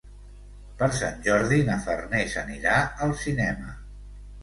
Per Sant Jordi na Farners anirà al cinema.